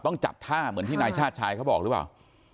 ต้องจัดท่าเหมือนที่นายชาติชายเขาบอกหรือเปล่า